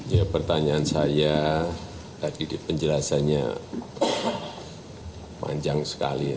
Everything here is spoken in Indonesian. ya pertanyaan saya tadi di penjelasannya panjang sekali